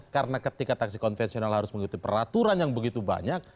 karena ketika taksi konvensional harus mengikuti peraturan yang begitu banyak